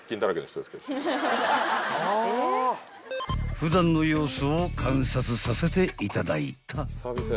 ［普段の様子を観察させていただいた］